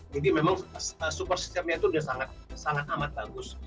jadi memang super systemnya itu sudah sangat amat bagus